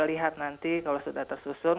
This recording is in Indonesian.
lihat nanti kalau sudah tersusun